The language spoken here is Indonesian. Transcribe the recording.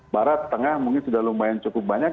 barat tengah mungkin sudah lumayan cukup banyak